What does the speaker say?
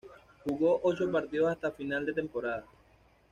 Juega ocho partidos hasta final de temporada.